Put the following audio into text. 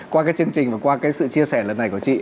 qua cái chương trình và qua cái sự chia sẻ lần này của chị